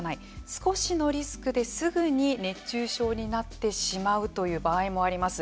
少しのリスクですぐに熱中症になってしまうという場合もあります。